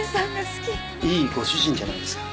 いいご主人じゃないですか。